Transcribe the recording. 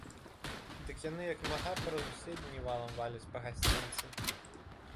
Дык яны як мага праз усе дні валам валяць па гасцінцы.